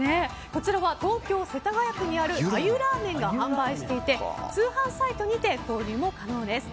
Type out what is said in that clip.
こちらは東京・世田谷区にある鮎ラーメンが販売していて通販サイトにて購入も可能です。